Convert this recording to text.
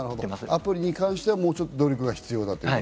アプリに関しては、もうちょっと努力が必要だと。